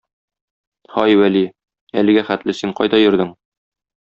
һай, Вәли, әлегә хәтле син кайда йөрдең?